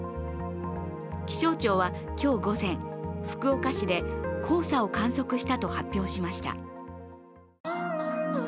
気象庁は今日午前、福岡市で黄砂を観測したと発表しました。